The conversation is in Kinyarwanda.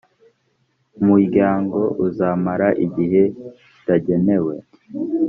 umuryango uzamara igihe kitagenewe